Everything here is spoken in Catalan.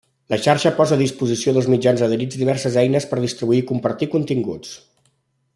La Xarxa posa a disposició dels mitjans adherits diverses eines per distribuir i compartir continguts.